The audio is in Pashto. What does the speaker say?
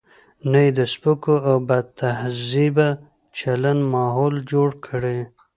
نه یې د سپکو او بدتهذیبه چلن ماحول جوړ کړي.